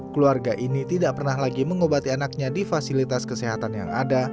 keluarga ini tidak pernah lagi mengobati anaknya di fasilitas kesehatan yang ada